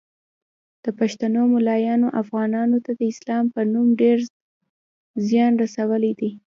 د پښتنو مولایانو افغانانو ته د اسلام په نوم ډیر ځیان رسولی دی